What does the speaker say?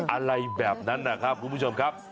อะไรแบบนั้นนะครับคุณผู้ชมครับ